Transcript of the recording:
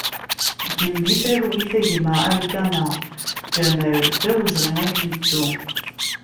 Gen di talwit a gma Alkama Ǧamal, d awezɣi ad k-nettu!